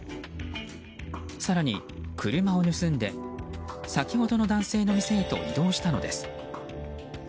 更に車を盗んで、先ほどの男性の店へと移動したのです。